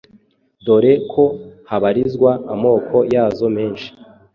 dore ko habarizwa amoko yazo menshi